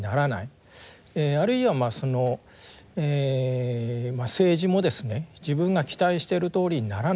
あるいはまあその政治もですね自分が期待しているとおりにならないと。